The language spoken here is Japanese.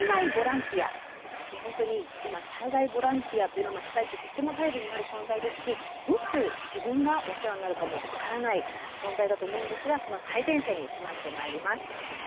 本当に今災害ボランティアというのは被災地でとっても頼りになる存在ですしいつ自分がお世話になるかも分からない存在だと思うんですがその最前線に迫ってまいります。